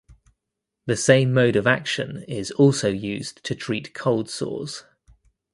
The same mode of action is also used to treat cold sores.